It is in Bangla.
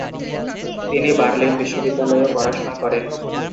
তিনি বার্লিন বিশ্ববিদ্যালয়েও পড়াশোনা করেন।